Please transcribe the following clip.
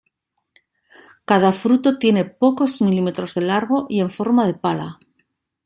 Cada fruto tiene pocos milímetros de largo y en forma de pala.